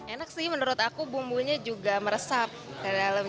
enak sih menurut aku bumbunya juga meresap ke dalam